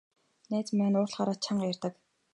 Найз маань уурлахаараа чанга ярьдаг.